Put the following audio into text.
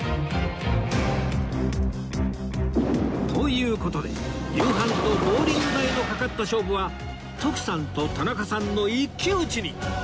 という事で夕飯とボウリング代のかかった勝負は徳さんと田中さんの一騎打ちに